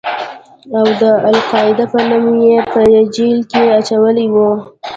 او د القاعده په نوم يې په جېل کښې اچولى و.